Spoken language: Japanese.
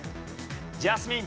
ジャスミン。